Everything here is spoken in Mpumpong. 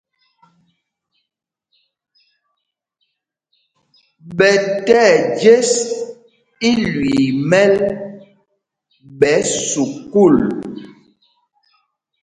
Ɓɛ tí ɛjes ilüii í mɛ́l ɓɛ sukûl.